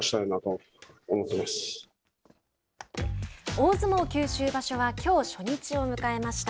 大相撲九州場所はきょう初日を迎えました。